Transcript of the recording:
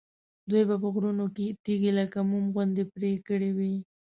دوی به په غرونو کې تیږې لکه موم غوندې پرې کړې وي.